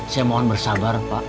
saya mohon bersabar pak